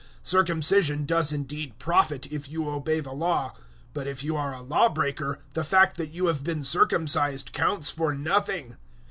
002:025 Circumcision does indeed profit, if you obey the Law; but if you are a Law breaker, the fact that you have been circumcised counts for nothing.